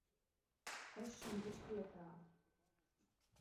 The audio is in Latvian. Es šim drusku iekrāvu.